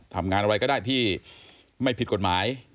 ทำงานอะไรก็ได้ที่ไม่ผิดกฎหมาย